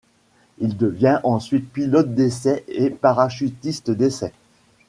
Il devient ensuite pilote d'essai et parachutiste d'essai.